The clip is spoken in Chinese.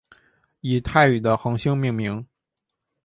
以泰语的恒星命名。